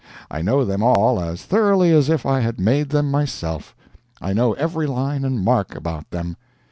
I know them all as thoroughly as if I had made them myself; I know every line and mark about them.